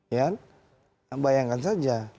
ya bayangkan saja